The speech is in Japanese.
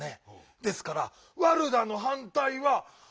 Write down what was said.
ですから「ワルダ」のはんたいは。